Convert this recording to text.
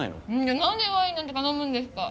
じゃ何でワインなんて頼むんですか？